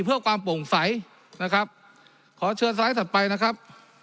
เพื่อความโปร่งใสนะครับขอเชิญสไลด์ถัดไปนะครับ